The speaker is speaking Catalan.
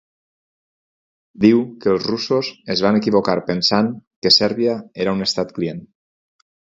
Diu que els russos es van equivocar pensant que Sèrbia era un estat client.